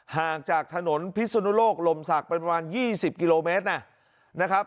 ห่างจากถนนพิษศุนโลกลมสากเป็นประมาณ๒๐กิโลเมตรนะ